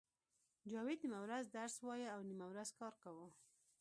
جاوید نیمه ورځ درس وایه او نیمه ورځ کار کاوه